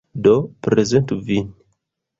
Do, prezentu vin!